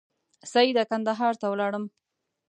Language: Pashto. سیده کندهار ته ولاړم.